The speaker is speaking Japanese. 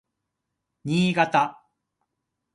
新潟